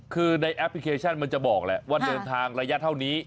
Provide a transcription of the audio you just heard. คือในแอปพลิเคชันมันจะบอกแหละว่าเดินทางระยะเท่านี้